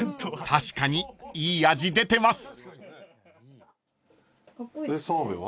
［確かにいい味出てます］